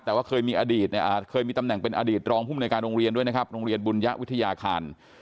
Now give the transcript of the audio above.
แต่ว่าเคยมีอดีตเนี่ยเคยมีตำแหน่งเป็นอดีตรองภูมิในการโรงเรียนด้วยนะครับโรงเรียนบุญญะวิทยาคาร